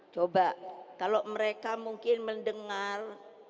coba kalau mereka mungkin mendengar